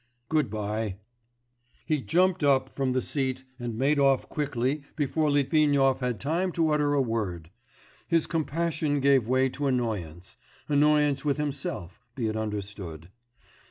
Good bye.' He jumped up from the seat and made off quickly before Litvinov had time to utter a word.... His compassion gave way to annoyance annoyance with himself, be it understood.